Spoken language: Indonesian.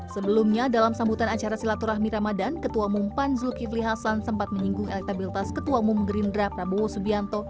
sebelumnya dalam sambutan acara silaturahmi ramadan ketua umum pan zulkifli hasan sempat menyinggung elektabilitas ketua umum gerindra prabowo subianto